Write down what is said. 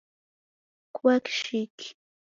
Kua kishiki